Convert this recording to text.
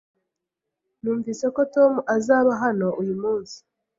Numvise ko Tom atazaba hano uyu munsi.